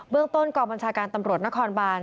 เรื่องต้นกองบัญชาการตำรวจนครบาน